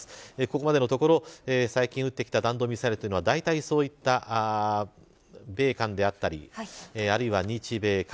ここまでのところ最近撃ってきた弾道ミサイルだったり米韓であったりあるいは日米韓